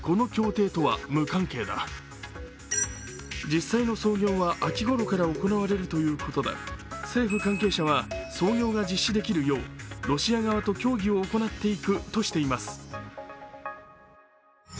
実際の操業は秋ごろから行われるということで政府関係者は操業が実施できるようロシア側と協議を行っていくとしています。